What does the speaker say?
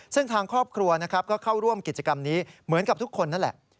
ซึ่งทางครอบครัวนะครับก็เข้าร่วมกิจกรรมนี้เหมือนกับทุกคนนั่นแหละ